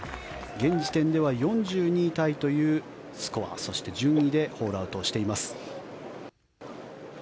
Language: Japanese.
現時点では４２位タイというスコアそして順位でホールアウトしています。